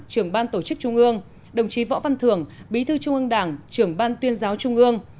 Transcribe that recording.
trưởng ban tổ chức trung ương đồng chí võ văn thường bí thư trung ương đảng trưởng ban tuyên giáo trung ương